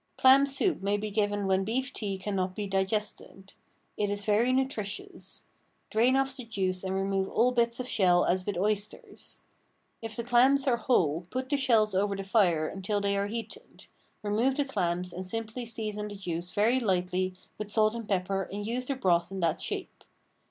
Clam soup may be given when beef tea can not be digested. It is very nutritious. Drain off the juice and remove all bits of shell as with oysters. If the clams are whole put the shells over the fire until they are heated; remove the clams and simply season the juice very lightly with salt and pepper and use the broth in that shape.